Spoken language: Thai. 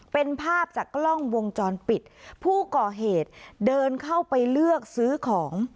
เป็นภาพจากกล้องวงจรปิดผู้ก่อเหตุเดินเข้าไปเลือกซื้อของ